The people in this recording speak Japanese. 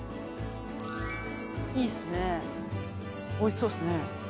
いいっすねおいしそうっすね。